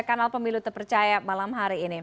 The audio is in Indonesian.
kanal pemilu terpercaya malam hari ini